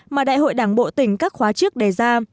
mà đại hội đảng bộ tỉnh các khóa trước đề ra